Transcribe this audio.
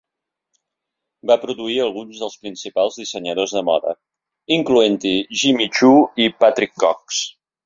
Va produir alguns dels principals dissenyadors de moda, incloent-hi Jimmy Choo i Patrick Cox.